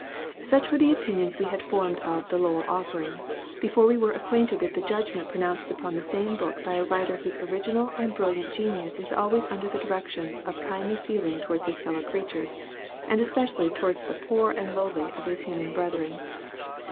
Such were the opinions we had formed of "The Lowell Offering," before we were acquainted with the judgment pronounced upon the same book by a writer whose original and brilliant genius is always under the direction of kindly feelings towards his fellow creatures, and especially towards the poor and lowly of his human brethren.